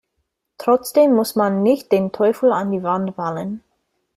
Trotzdem muss man nicht den Teufel an die Wand malen.